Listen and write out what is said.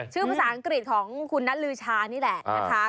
ชื่อภาษาอังกฤษของคุณนัทลืชานี่แหละ